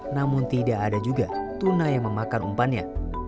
namun tidak ada juga tuna yang memakan umpannya